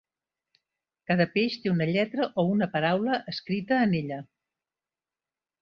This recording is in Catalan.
Cada peix té una lletra o una paraula escrita en ella.